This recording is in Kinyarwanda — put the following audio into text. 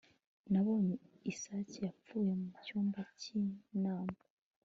nabonye isake yapfuye mucyumba cy'inama